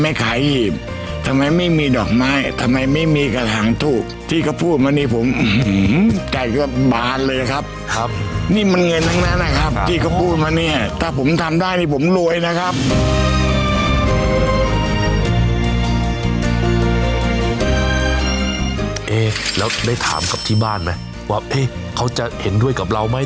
เอ๊แล้วได้ทำกับที่บ้านไหมว่าเอ๊เขาจะเห็นด้วยกับเราไหม